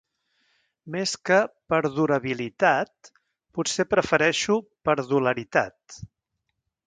Més que Perdurabilitat, potser prefereixo Perdularitat.